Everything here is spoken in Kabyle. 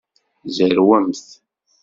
Zerwemt.